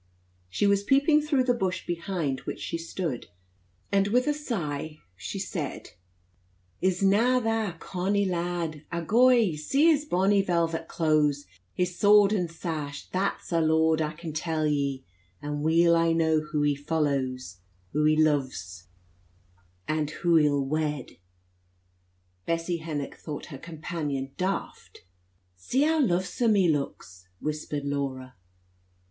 She was peeping through the bush behind which she stood, and with a sigh she said: "Is na that a conny lad? Agoy! See his bonny velvet clothes, his sword and sash; that's a lord, I can tell ye; and weel I know who he follows, who he luves, and who he'll wed." Bessie Hennock thought her companion daft. "See how luvesome he luks!" whispered Laura.